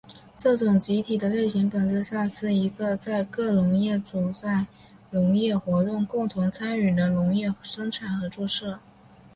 这种集体的类型本质上是一个在各农业主在农业活动共同参与的农业生产合作社。